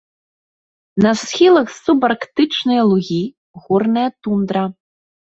На схілах субарктычныя лугі, горная тундра.